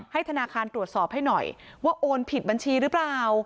ธนาคารตรวจสอบให้หน่อยว่าโอนผิดบัญชีหรือเปล่า